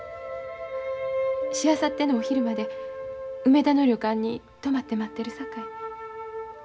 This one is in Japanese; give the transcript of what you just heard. しあさってのお昼まで梅田の旅館に泊まって待ってるさかい。